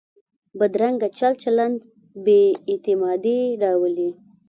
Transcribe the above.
بدرنګه چل چلند بې اعتمادي راولي